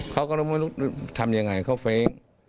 เขาก็รู้ทำยังไงเขาเฟ้ง